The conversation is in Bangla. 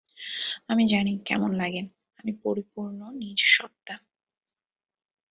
আমি জানি কেমন লাগে, আমি পরিপূর্ণ নিজ সত্ত্বা।